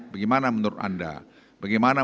bagaimana menurut anda bagaimana